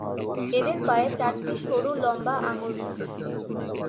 এদের পায়ে চারটি সরু লম্বা আঙুল থাকে।